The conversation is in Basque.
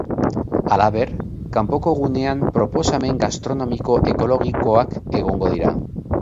Halaber, kanpoko gunean proposamen gastronomiko ekologikoak egongo dira.